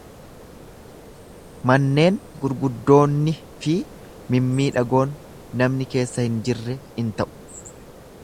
Manneen gurguddoonni fi mimmiidhagoon namni keessa hin jirre in ta'u.